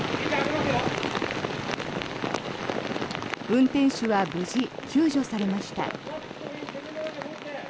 運転手は無事、救助されました。